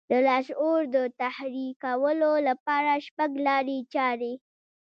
د لاشعور د تحريکولو لپاره شپږ لارې چارې دي.